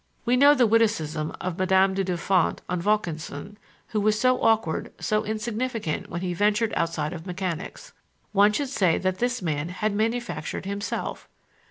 We know the witticism of Madame du Deffant on Vaucanson, who was so awkward, so insignificant when he ventured outside of mechanics. "One should say that this man had manufactured himself."